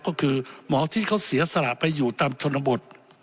ก็คือหมอที่เขาเสียสละไปอยู่ตามชนบท